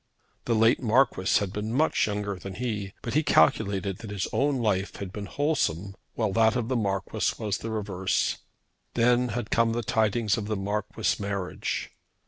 The late Marquis had been much younger than he, but he calculated that his own life had been wholesome while that of the Marquis was the reverse. Then had come the tidings of the Marquis' marriage.